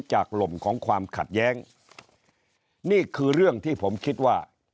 ลมของความขัดแย้งนี่คือเรื่องที่ผมคิดว่า